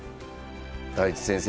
大地先生